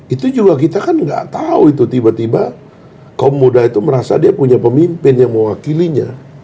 itu juga kita kan nggak tahu itu tiba tiba kaum muda itu merasa dia punya pemimpin yang mewakilinya